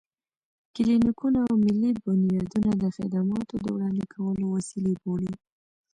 کلينيکونه او ملي بنيادونه د خدماتو د وړاندې کولو وسيلې بولو.